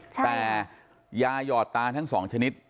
แต่ยาหยอดตาทั้ง๒ชนิด